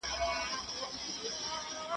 په ړنديانو کي چپک اغا دئ.